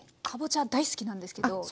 かぼちゃ大好きなんですけど。